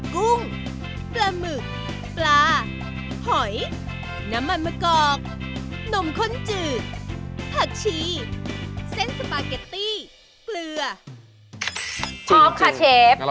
กุ้งปลาหมึกปลาหอยน้ำมันมะกอกนมข้นจืดผักชีเส้นสปาเกตตี้เกลือชอบค่ะเชฟ